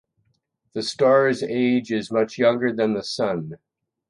The star’s age is much younger than the Sun.